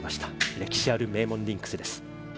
歴史ある名門リンクスです。